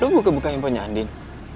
lo buka buka handphonenya andin